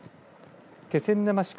気仙沼市